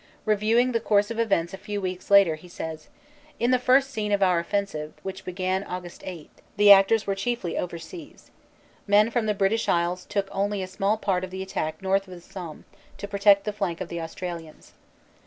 Reviewing the course of events a few weeks later he says: "In the first scene of our offensive, which began Aug. 8, the actors were chiefly overseas. Men from the British Isles took only a small part of the attack north of the Somme to protect the flank of the Australians.